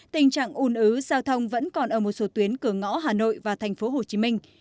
tình trạng un ứ giao thông vẫn còn ở một số tuyến cửa ngõ hà nội và thành phố hồ chí minh